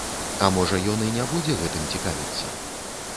А можа, ён і не будзе гэтым цікавіцца?